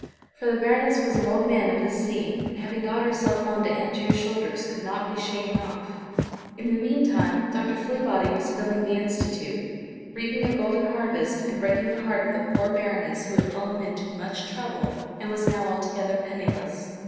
For the Baroness was an old Man of the Sea, and having got herself on to Aunt Ju's shoulders could not be shaken off. In the meantime Dr. Fleabody was filling the Institute, reaping a golden harvest, and breaking the heart of the poor Baroness, who had fallen into much trouble and was now altogether penniless.